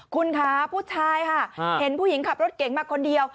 คุณคะผู้ชายค่ะเห็นผู้หญิงขับรถเก๋งมาคนเดียว